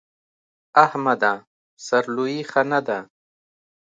احمده! سر لويي ښه نه ده.